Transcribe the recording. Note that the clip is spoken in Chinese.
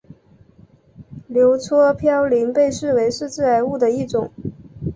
硫唑嘌呤被视为是致癌物的一种。